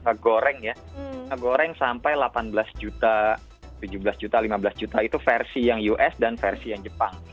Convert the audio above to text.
minyak goreng ya minyak goreng sampai delapan belas juta tujuh belas juta lima belas juta itu versi yang us dan versi yang jepang